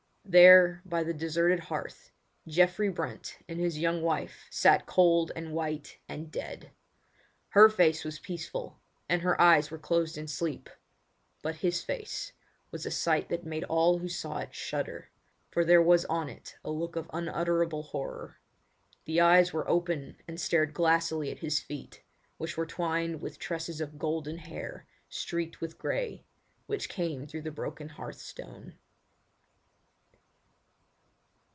There by the deserted hearth Geoffrey Brent and his young wife sat cold and white and dead. Her face was peaceful, and her eyes were closed in sleep; but his face was a sight that made all who saw it shudder, for there was on it a look of unutterable horror. The eyes were open and stared glassily at his feet, which were twined with tresses of golden hair, streaked with grey, which came through the broken hearth stone.